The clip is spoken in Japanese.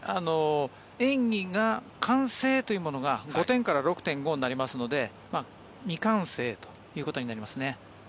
演技が完成というものが５点から６．５になりますので未完成ということになりますね。